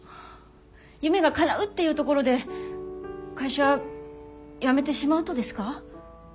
夢がかなうっていうところで会社辞めてしまうとですか？